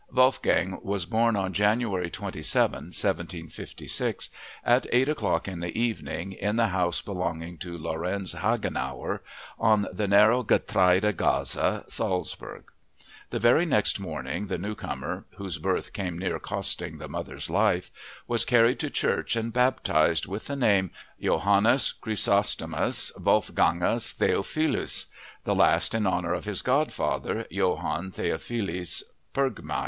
Wolfgang was born on January 27, 1756, at eight o'clock in the evening in the house belonging to Lorenz Hagenauer, on the narrow Getreide Gasse, Salzburg. The very next morning the newcomer (whose birth came near costing the mother's life) was carried to church and baptized with the name Johannes Chrysostomus Wolfgangus Theophilus, the last in honor of his godfather, Johann Theophilus Pergmayr.